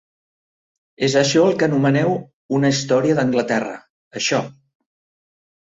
És això el que anomeneu una Història d'Anglaterra, això.